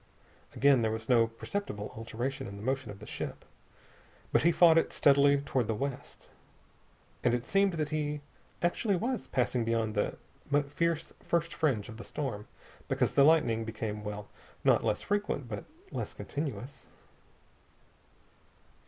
Again there was no perceptible alteration in the motion of the ship, but he fought it steadily toward the west. And it seemed that he actually was passing beyond the first fierce fringe of the storm, because the lightning became well, not less frequent, but less continuous.